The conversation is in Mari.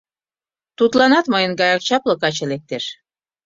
— Тудланат мыйын гаяк чапле каче лектеш.